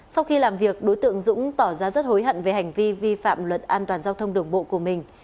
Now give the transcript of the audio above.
sau khi làm việc đối tượng dũng tỏ ra rất hối hận về hành vi vi phạm luật an toàn giao thông đường bộ của mình